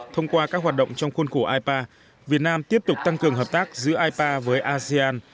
thông qua các hoạt động trong khuôn khổ ipa việt nam tiếp tục tăng cường hợp tác giữa ipa với asean